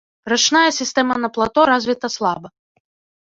Рачная сістэма на плато развіта слаба.